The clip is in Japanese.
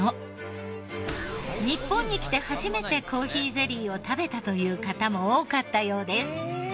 日本に来て初めてコーヒーゼリーを食べたという方も多かったようです。